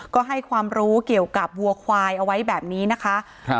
ก็ให้ความรู้เกี่ยวกับวัวควายเอาไว้แบบนี้นะคะครับ